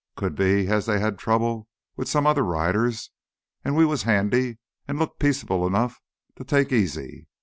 Could be as they had trouble with some other riders an' we was handy an' looked peaceable enough to take easy.